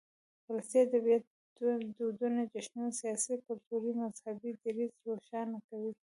ولسي ادبيات دودنه، جشنونه ،سياسي، کلتوري ،مذهبي ، دريځ روښانه کوي.